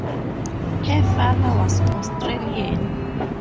Her father was Australian.